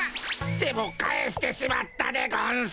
でも返してしまったでゴンス。